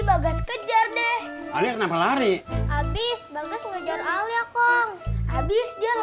bagus kejar deh alir nama lari habis bagus ngejar alia kong habis dia lari